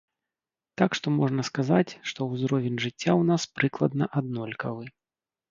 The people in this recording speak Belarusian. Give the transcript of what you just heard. Так што можна сказаць, што ўзровень жыцця ў нас прыкладна аднолькавы.